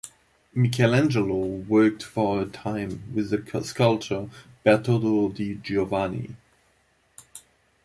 Michelangelo worked for a time with the sculptor Bertoldo di Giovanni.